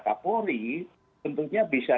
kak polri tentunya bisa